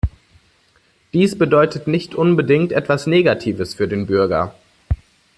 Dies bedeutet nicht unbedingt etwas Negatives für den Bürger.